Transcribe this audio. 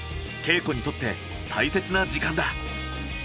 啓子にとって大切な時間だ。